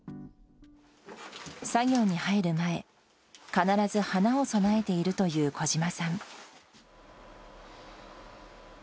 作業に入る前、必ず花を供えているという小島さん。